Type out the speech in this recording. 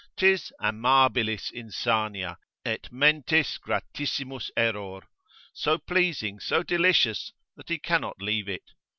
'Tis amabilis insania, et mentis gratissimus error, so pleasing, so delicious, that he cannot leave it.